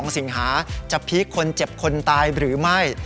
สิงหาจะพีคคนเจ็บคนตายหรือไม่